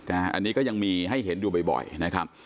อันนี้ก็ยังมีให้เห็นอยู่บ่อยนะครับ